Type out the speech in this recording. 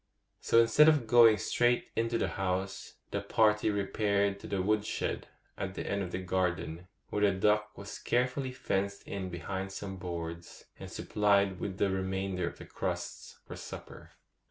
So instead of going straight into the house, the party repaired to the wood shed at the end of the garden, where the duck was carefully fenced in behind some boards, and supplied with the remainder of the crusts for supper.